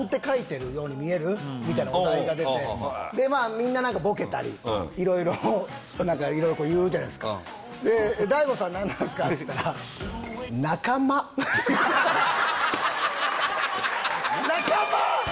みんな何かボケたり色々何か色々こう言うじゃないですか「大悟さん何なんすか？」って言ったらなかま！？